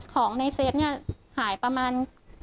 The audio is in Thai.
ของในเซฟหายประมาณ๙๐